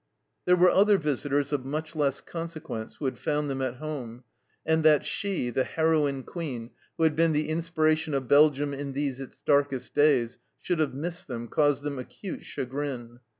There were other visitors of much less conse quence who had found them at home, and that she, the heroine Queen who had been the inspira tion of Belgium in these its darkest days, should have missed them caused them acute chagrin.